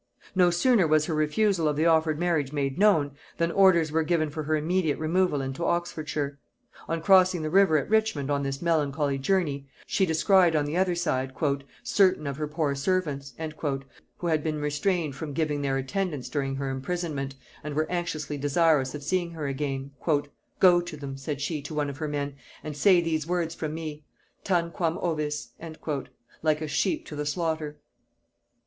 No sooner was her refusal of the offered marriage made known, than orders were given for her immediate removal into Oxfordshire. On crossing the river at Richmond on this melancholy journey, she descried on the other side "certain of her poor servants," who had been restrained from giving their attendance during her imprisonment, and were anxiously desirous of seeing her again. "Go to them," said she to one of her men, "and say these words from me, Tanquam ovis" (Like a sheep to the slaughter).